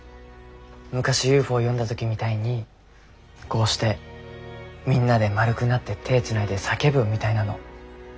昔ＵＦＯ呼んだ時みたいにこうしてみんなで円くなって手つないで叫ぶみたいなの。